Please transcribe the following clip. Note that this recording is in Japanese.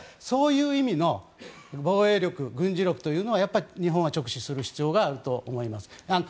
そういう意味の防衛力、軍事力というのはやっぱり日本は直視する必要があると思います。